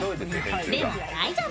でも大丈夫。